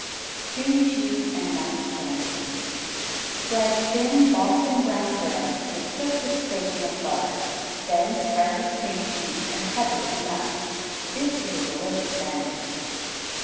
Cream Cheese and Nut Sandwiches Spread thin Boston brown bread with just a scraping of butter, then spread with cream cheese and cover with nuts; this is a delicious sandwich.